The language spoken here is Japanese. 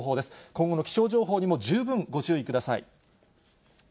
今後の気象情報にも十分ご注意ください。